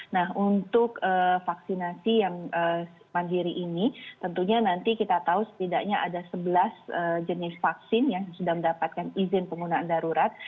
nah untuk vaksinasi yang mandiri ini tentunya nanti kita tahu setidaknya ada sebelas jenis vaksin yang sudah mendapatkan izin penggunaan darurat